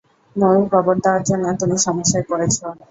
ময়ূর কবর দেওয়ার জন্য তুমি সমস্যায় পড়েছ।